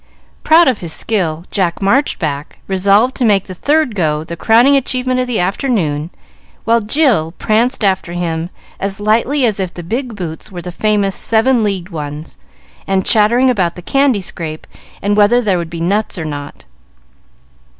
Proud of his skill, Jack marched back, resolved to make the third "go" the crowning achievement of the afternoon, while Jill pranced after him as lightly as if the big boots were the famous seven leagued ones, and chattering about the candy scrape and whether there would be nuts or not.